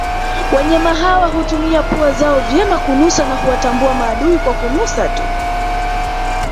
Wanyama hawa hutumia pua zao vyema kunusa na huwatambua maadui kwa kunusa tuu